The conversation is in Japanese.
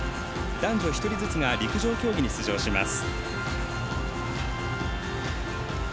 男女１人ずつが陸上競技に出場します。